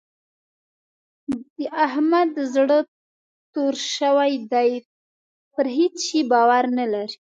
د احمد زړه توری شوی دی؛ پر هيڅ شي باور نه لري.